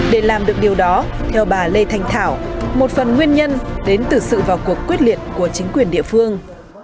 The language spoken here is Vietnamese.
để làm được điều đó theo bà lê thanh thảo một phần nguyên nhân đến từ sự vào cuộc quyết liệt của chính quyền địa phương